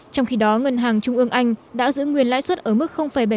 trong khi đó ngân hàng trung ương anh đã giữ nguyên lãi suất ở mức bảy mươi năm